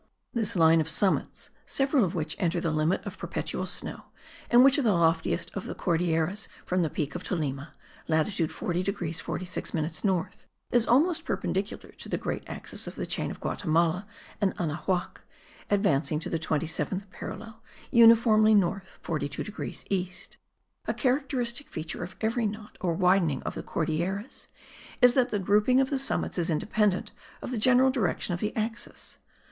This line of summits, several of which enter the limit of perpetual snow, and which are the loftiest of the Cordilleras from the peak of Tolima (latitude 40 degrees 46 minutes north), is almost perpendicular to the great axis of the chain of Guatimala and Anahuac, advancing to the 27th parallel, uniformly north 42 degrees east. A characteristic feature of every knot, or widening of the Cordilleras, is that the grouping of the summits is independent of the general direction of the axis.